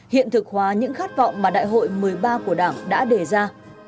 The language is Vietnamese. hiện thực hóa những khát vọng mà đại hội một mươi ba của đảng đã đề ra